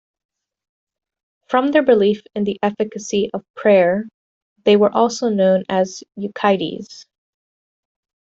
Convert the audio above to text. From their belief in the efficacy of prayer, they were also known as Euchites.